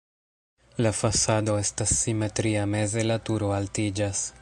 La fasado estas simetria, meze la turo altiĝas.